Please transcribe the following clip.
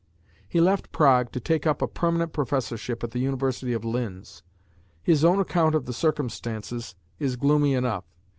He left Prague to take up a permanent professorship at the University of Linz. His own account of the circumstances is gloomy enough.